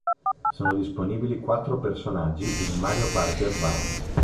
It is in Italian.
Sono disponibili quattro personaggi in "Mario Party Advance".